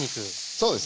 そうですね。